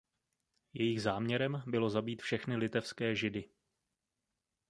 Jejich záměrem bylo zabít všechny litevské Židy.